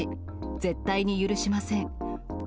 絶対に許しません。